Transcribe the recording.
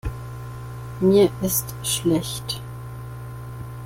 Mir ist schlecht.